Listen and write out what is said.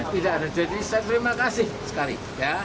tidak ada jadi saya terima kasih sekali